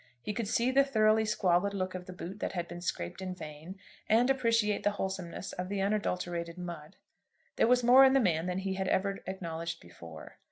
He could see the thoroughly squalid look of the boot that had been scraped in vain, and appreciate the wholesomeness of the unadulterated mud. There was more in the man than he had ever acknowledged before.